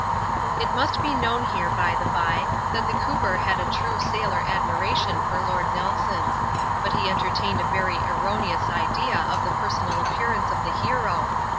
It must be known here, by the by, that the cooper had a true sailor admiration for Lord Nelson. But he entertained a very erroneous idea of the personal appearance of the hero.